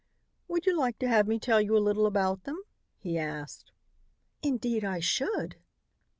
"Would you like to have me tell you a little about them?" he asked. "Indeed I should."